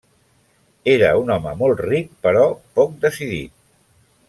Era un home molt ric però poc decidit.